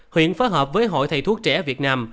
huyện phối hợp với hội thầy thuốc trẻ việt nam